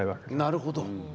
なるほど。